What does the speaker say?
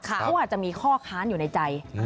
เขาอาจจะมีข้อค้านอยู่ในใจ